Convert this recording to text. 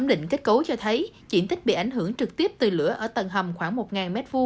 tổng định kết cấu cho thấy diện tích bị ảnh hưởng trực tiếp từ lửa ở tầng hầm khoảng một m hai